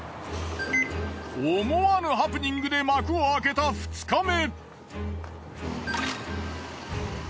思わぬハプニングで幕を開けた２日目。